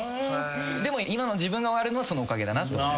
でも今の自分があるのはそのおかげだなと。